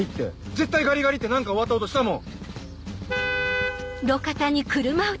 絶対「ガリガリ」って何か終わった音したもん。